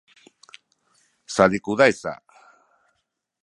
sazikuzay sa